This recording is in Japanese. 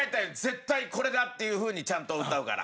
絶対これだっていうふうにちゃんと歌うから。